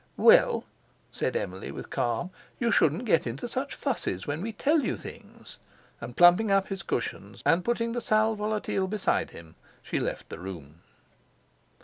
"Well," said Emily with calm, "you shouldn't get into such fusses when we tell you things." And plumping up his cushions, and putting the sal volatile beside him, she left the room.